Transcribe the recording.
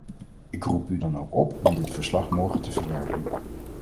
Ik roep u dan ook op om dit verslag morgen te verwerpen.